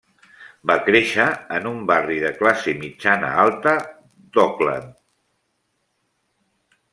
Va créixer en un barri de classe mitjana alta d'Oakland.